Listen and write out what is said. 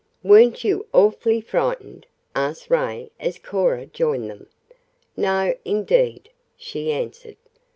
"Weren't you awfully frightened?" asked Ray as Cora joined them. "No indeed," she answered.